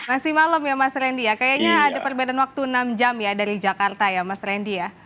masih malam ya mas randy ya kayaknya ada perbedaan waktu enam jam ya dari jakarta ya mas randy ya